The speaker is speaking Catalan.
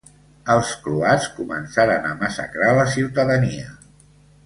Els croats començaren a massacrar la ciutadania.